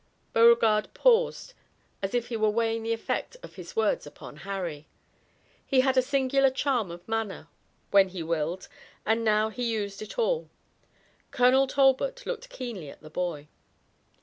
Beauregard paused as if he were weighing the effect of his words upon Harry. He had a singular charm of manner when he willed and now he used it all. Colonel Talbot looked keenly at the boy.